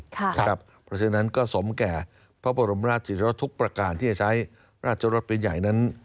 เพราะฉะนั้นก็สมแก่พระบรมราชทุกประการที่จะใช้ราชรสเป็นใหญ่นั้น